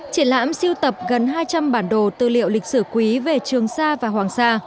triển lãm siêu tập gần hai trăm linh bản đồ tư liệu lịch sử quý về trường sa và hoàng sa